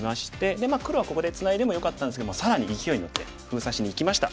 で黒はここでツナいでもよかったんですけど更にいきおいに乗って封鎖しにいきました。